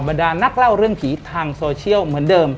ดานักเล่าเรื่องผีทางโซเชียลเหมือนเดิม